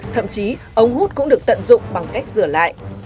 thậm chí ống hút cũng được tận dụng bằng cách rửa lại